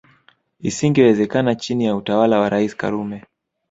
Isingewezekana chini ya utawala wa Rais Karume